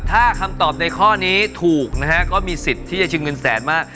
ถ้าคำตอบในข้อนี้ถูกนะฮะก็มีสิทธิ์ที่จะชิงเงินแสนมาก